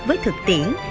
với thực tiễn